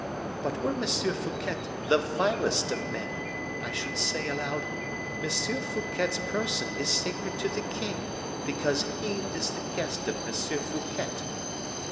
But, were M. Fouquet the vilest of men, I should say aloud, 'M. Fouquet's person is sacred to the king because he is the guest of M. Fouquet.